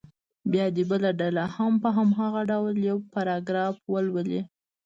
بیا دې بله ډله هم په هماغه ډول یو پاراګراف ولولي.